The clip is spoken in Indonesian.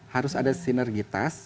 harus ada sinergitas